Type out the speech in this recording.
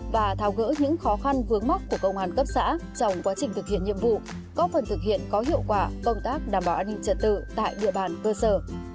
và thao gỡ những khó khăn vướng mắt của công an cấp xã trong quá trình thực hiện nhiệm vụ có phần thực hiện có hiệu quả công tác đảm bảo an ninh trật tự tại địa bàn cơ sở